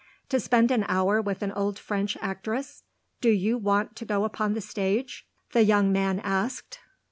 "To spend an hour with an old French actress? Do you want to go upon the stage?" the young man asked.